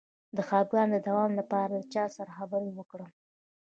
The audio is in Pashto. د خپګان د دوام لپاره له چا سره خبرې وکړم؟